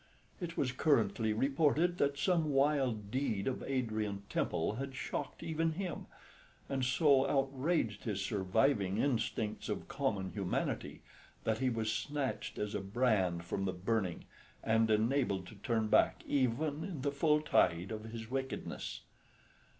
It was currently reported that some wild deed of Adrian Temple had shocked even him, and so outraged his surviving instincts of common humanity that he was snatched as a brand from the burning and enabled to turn back even in the full tide of his wickedness.